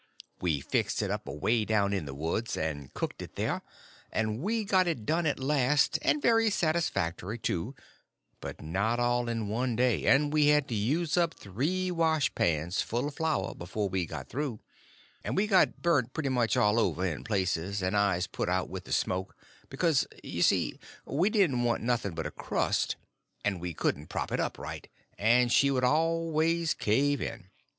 We fixed it up away down in the woods, and cooked it there; and we got it done at last, and very satisfactory, too; but not all in one day; and we had to use up three wash pans full of flour before we got through, and we got burnt pretty much all over, in places, and eyes put out with the smoke; because, you see, we didn't want nothing but a crust, and we couldn't prop it up right, and she would always cave in.